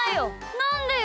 なんでよ！